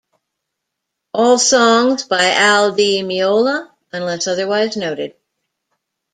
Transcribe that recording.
All songs by Al Di Meola unless otherwise noted.